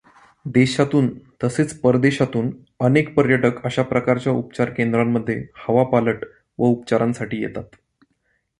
देशातून तसेच परदेशातून अनेक पर्यटक अशा प्रकारच्या उपचार केंद्रांमध्ये हवापालट व उपचारांसाठी येतात.